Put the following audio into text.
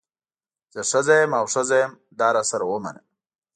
زه ښځه یم او ښځه یم دا راسره ومنه.